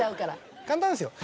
簡単なんですよ